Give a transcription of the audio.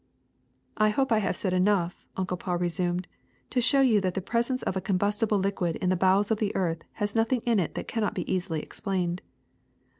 '' ^^I hope I have said enough," Uncle Paul resumed, ^'to show you that the presence of a combustible liquid in the bowels of the earth has nothing in it that cannot be easily explained.